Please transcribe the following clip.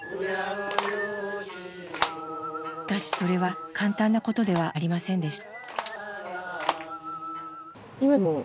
しかしそれは簡単なことではありませんでした。